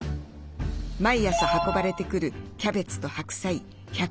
毎朝運ばれてくるキャベツと白菜１５０キロ。